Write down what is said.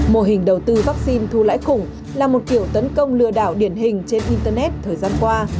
mô hình đầu tư vaccine thu lãi khủng là một kiểu tấn công lừa đảo điển hình trên internet thời gian qua